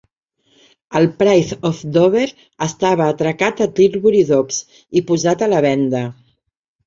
El "Pride of Dover" estava atracat a Tilbury Docks i posat a la venda.